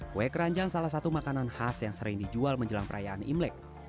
kue keranjang salah satu makanan khas yang sering dijual menjelang perayaan imlek